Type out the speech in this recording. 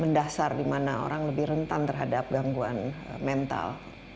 mendasar dimana orang lebih rentan terhadap gangguan mental